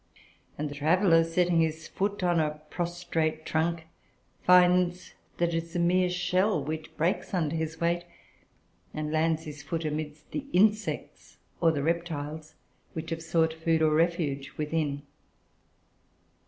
And the traveller, setting his foot on a prostrate trunk, finds that it is a mere shell, which breaks under his weight, and lands his foot amidst the insects, or the reptiles, which have sought food or refuge within.